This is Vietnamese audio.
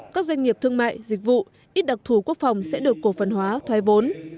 các doanh nghiệp thương mại dịch vụ ít đặc thù quốc phòng sẽ được cổ phần hóa thoái vốn